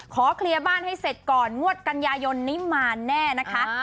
ขอเคลียร์บ้านให้เสร็จก่อนงวดกันยายนนี้มาแน่นะคะ